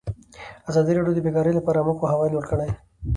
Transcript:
ازادي راډیو د بیکاري لپاره عامه پوهاوي لوړ کړی.